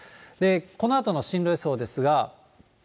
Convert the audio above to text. このあとの進路予想ですが。